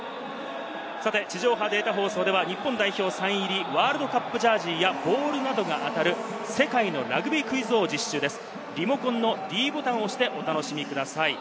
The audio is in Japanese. さて地上波データ放送では日本代表サイン入りワールドカップジャージーやボールなどが当たる世界のラグビークイズ王を実施中です。